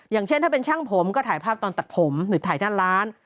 อย่างเช่นถ้าเป็นช่างผมก็ถ่ายภาพตอนตัดผมหรือถ่ายหน้าร้าน